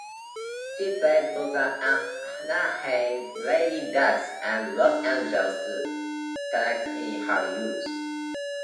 She played for the Anaheim Lady Ducks and Los Angeles Selects in her youth.